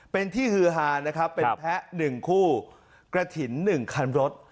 เป็นที่ฮือหานะครับครับเป็นแทะหนึ่งคู่กระถิ่นหนึ่งคลานรส